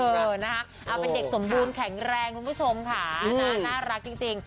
เออนะคะเอาเป็นเด็กสมบูรณ์แข็งแรงคุณผู้ชมค่ะน่ารักจริง